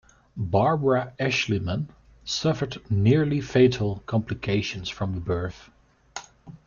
Barbara Eshleman suffered nearly fatal complications from the birth.